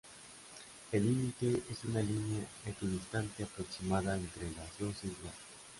El límite es una línea equidistante aproximada entre las dos islas.